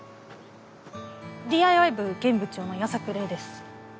ＤＩＹ部現部長の矢差暮礼です。